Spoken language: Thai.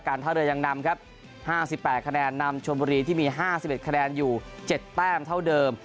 ท่าเรือยังนำครับ๕๘คะแนนนำชมบุรีที่มี๕๑คะแนนอยู่๗แต้มเท่าเดิม